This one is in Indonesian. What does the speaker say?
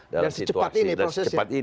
dan secepat ini prosesnya